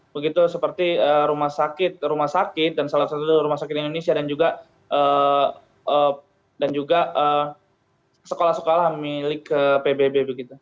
begitu seperti rumah sakit rumah sakit dan salah satu rumah sakit indonesia dan juga sekolah sekolah milik pbb